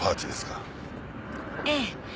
ええ。